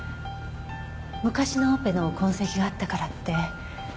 昔のオペの痕跡があったからって。